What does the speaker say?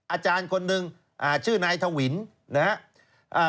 อาจารย์คนหนึ่งอ่าชื่อนายทวินนะครับ